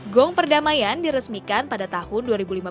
gong perdamaian diresmikan pada tahun dua ribu lima belas